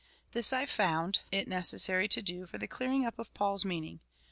This I found it necessary to do for the clearing up of PauFs meaning.